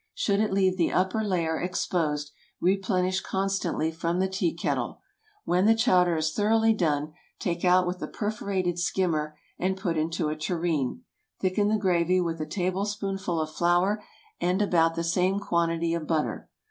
Should it leave the upper layer exposed, replenish constantly from the tea kettle. When the chowder is thoroughly done, take out with a perforated skimmer and put into a tureen. Thicken the gravy with a tablespoonful of flour and about the same quantity of butter.